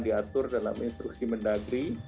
diatur dalam instruksi mendagri